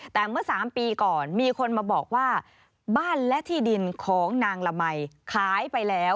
แต่เมื่อ๓ปีก่อนมีคนมาบอกว่าบ้านและที่ดินของนางละมัยขายไปแล้ว